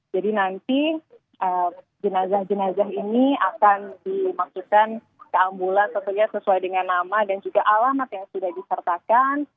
jadi nanti jenazah jenazah ini akan dimaksudkan ke ambulans sesuai dengan nama dan juga alamat yang sudah disertakan